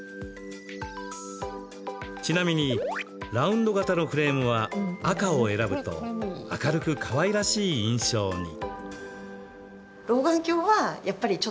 ちなみにラウンド型のフレームは、赤を選ぶと明るくかわいらしい印象に。